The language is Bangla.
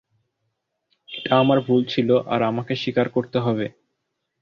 এটা আমার ভুল ছিল আর আমাকে স্বীকার করতে হবে।